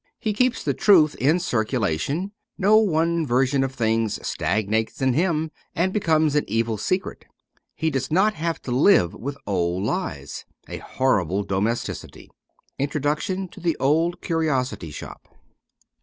He keeps the truth in circulation ; no one version of things stagnates in him and becomes an evil secret. He does not have to live with old lies ; a horrible domesticity. Introduction to ' The Old Curiosity Shop.'